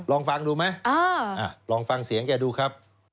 ลองฟังดูไหมลองฟังเสียงแกดูครับ